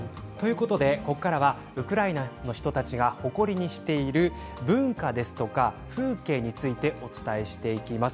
ここからはウクライナの人たちが誇りにしている文化や風景についてお伝えしていきます。